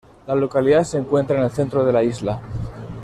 La localidad se encuentra en el centro de la isla.